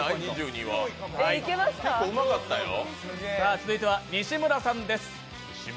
続いては西村さんです。